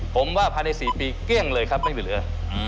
ผมว่าพันธุ์ใน๔ปีเกลี้ยงเลยครับแม่งหรือเหลือ